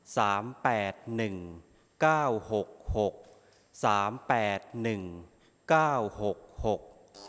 แปดหนึ่งเก้าหกหกสามแปดหนึ่งเก้าหกหก